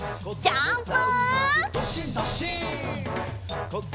ジャンプ！